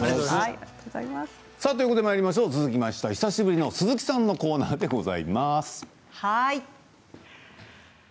続きましては久しぶりの鈴木さんのコーナーです。